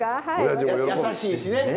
優しいしね。